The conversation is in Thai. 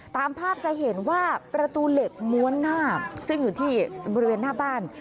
ตามภาพจะเห็นว่าประตูเหล็กม้วนหน้าซึ่งอยู่ที่บริเวณหน้าบ้าน